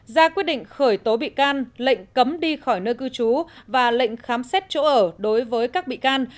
ra quyết định khởi tố bị can lệnh cấm đi khỏi nơi cư trú và lệnh khám xét chỗ ở đối với các bị can